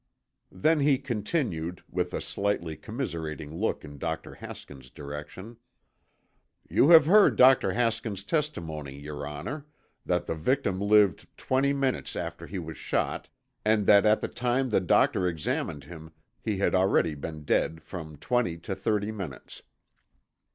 Then he continued, with a slightly commiserating look in Dr. Haskins' direction: "You have heard Dr. Haskins' testimony, your honor, that the victim lived twenty minutes after he was shot, and that at the time that the doctor examined him he had already been dead from twenty to thirty minutes.